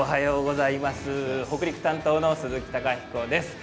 北陸担当の鈴木貴彦です。